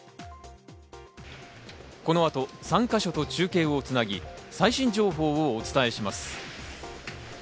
この後、３か所と中継をつなぎ、最新情報をお伝えします。